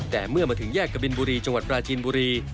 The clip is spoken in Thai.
แต่เมื่อมาถึงแยกกบินบุรีจังหวัดปราจีนบุรี